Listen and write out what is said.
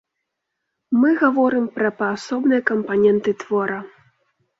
Мы гаворым пра паасобныя кампаненты твора.